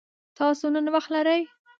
تاسو نن وخت لری؟